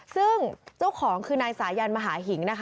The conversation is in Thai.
ซึ่งเจ้าของคือนายสายันมหาหิงนะคะ